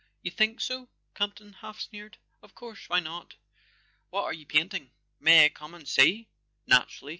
"You think so?" Campton half sneered. "Of course—why not? What are you painting? May I come and see?" "Naturally."